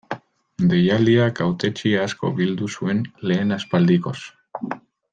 Deialdiak hautetsi asko bildu zuen lehen aldikoz.